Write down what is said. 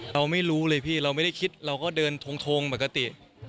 เราไม่รู้เลยพี่เราไม่ได้คิดเราก็เดินทงปกติ